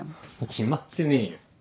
決まってねえよ。